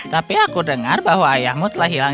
tapi aku dengar bahwa ayahmu telah hilang